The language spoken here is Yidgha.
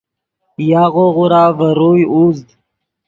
یاغو غورا ڤے روئے اوزد